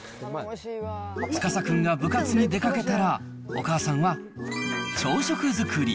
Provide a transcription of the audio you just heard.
司君が部活に出かけたら、お母さんは朝食作り。